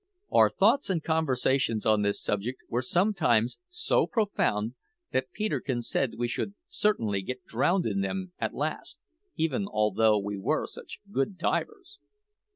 Our thoughts and conversations on this subject were sometimes so profound that Peterkin said we should certainly get drowned in them at last, even although we were such good divers!